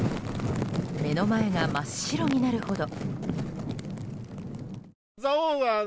目の前が真っ白になるほど。